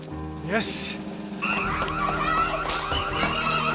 よし。